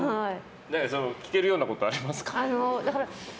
聞けるようなことありますか？